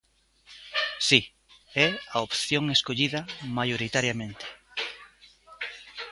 Si, é a opción escollida maioritariamente.